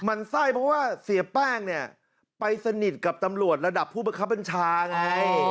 มันไส้เพราะว่าเสียแป้งเนี่ยไปสนิทกับตำรวจระดับผู้ประคับบัญชาไง